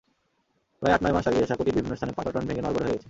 প্রায় আট-নয় মাস আগে সাঁকোটির বিভিন্ন স্থানে পাটাতন ভেঙে নড়বড়ে হয়ে গেছে।